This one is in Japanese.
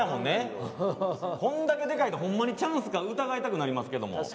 こんだけでかいとほんまにチャンスか疑いたくなりますけど。